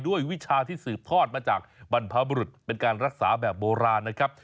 วิชาที่สืบทอดมาจากบรรพบุรุษเป็นการรักษาแบบโบราณนะครับ